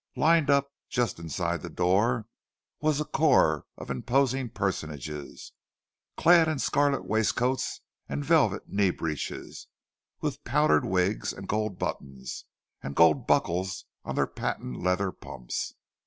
Lined up just inside the door was a corps of imposing personages, clad in scarlet waistcoats and velvet knee breeches, with powdered wigs, and gold buttons, and gold buckles on their patent leather pumps.